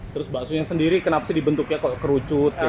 terus basunya sendiri kenapa dibentuknya kerucut